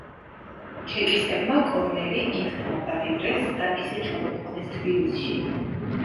ჩეკისტებმა კორნელი იქ დააპატიმრეს და ისე ჩამოიყვანეს თბილისში.